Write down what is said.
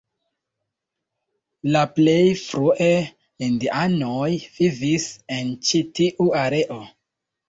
La plej frue indianoj vivis en ĉi tiu areo.